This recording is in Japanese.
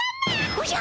おじゃ！